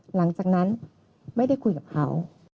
หลังจากนั้นไม่ได้คุยกับเขา